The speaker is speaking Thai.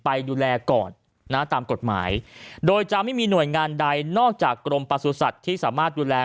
ไปดูแลก่อนนะตามกฎหมายโดยจะไม่มีหน่วยงานใดนอกจากกรมประสุทธิ์ที่สามารถดูแล